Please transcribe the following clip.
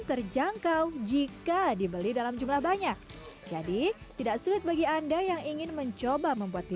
terjangkau jika dibeli dalam jumlah banyak jadi tidak sulit bagi anda yang ingin mencoba membuat